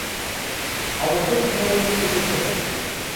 অবশ্য, তিনি একজন শিশু ছিলেন।